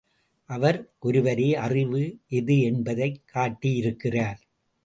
அவர் ஒருவரே அறிவு எது? என்பதைக் காட்டியிருக்கிறார்.